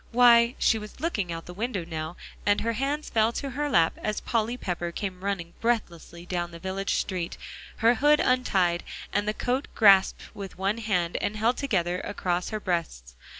Why" She was looking out of the window now, and her hands fell to her lap as Polly Pepper came running breathlessly down the village street, her hood untied, and the coat grasped with one hand and held together across her breast.